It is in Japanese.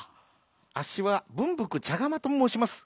「あっしはぶんぶくちゃがまともうします。